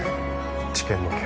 治験の件